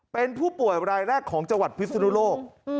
เป็นผู้ป่วยรายแรกของจังหวัดพิศนุโลก